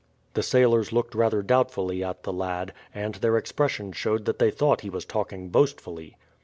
The sailors looked rather doubtfully at the lad, and their expression showed that they thought he was talking boastfully.